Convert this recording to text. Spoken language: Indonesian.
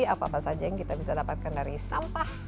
apa apa saja yang kita bisa dapatkan dari sampah